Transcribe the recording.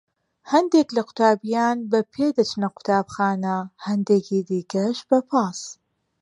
هەندێک لە قوتابیان بە پێ دەچنە قوتابخانە، هەندێکی دیکەش بە پاس.